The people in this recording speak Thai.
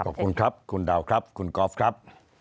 ขอบคุณครับคุณดาวครับคุณกอล์ฟครับ